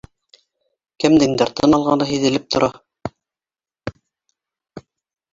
Кемдеңдер тын алғаны һиҙелеп тора